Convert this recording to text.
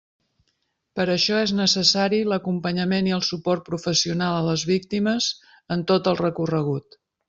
Per a això és necessari l'acompanyament i el suport professional a les víctimes en tot el recorregut.